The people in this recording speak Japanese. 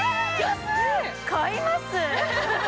買います！